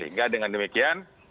sehingga dengan demikian